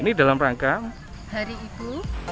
ini dalam rangka hari ibu